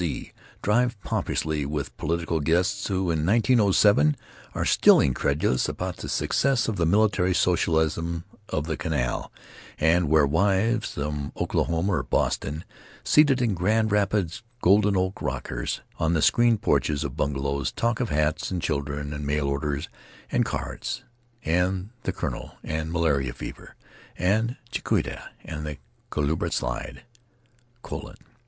C. drive pompously with political guests who, in 1907, are still incredulous about the success of the military socialism of the Canal, and where wives from Oklahoma or Boston, seated in Grand Rapids golden oak rockers on the screened porches of bungalows, talk of hats, and children, and mail orders, and cards, and The Colonel, and malarial fever, and Chautauqua, and the Culebra slide. Colon!